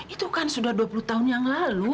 itu kan sudah dua puluh tahun yang lalu